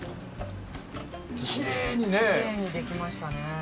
きれいにできましたね。